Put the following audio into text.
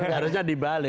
harusnya di bali